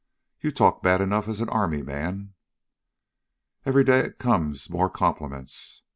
"You talk bad enough as an Army man." "Every day it comes more compliments!"